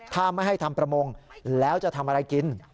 ถ้าไม่ให้ทำประมงแล้วจะทำอะไรกิน